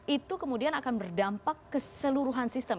itu kemudian akan berdampak ke seluruhan sistem